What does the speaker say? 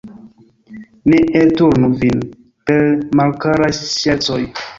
Ne elturnu vin per malkaraj ŝercoj!